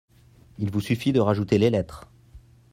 Il vous suffit de rajouter les lettres.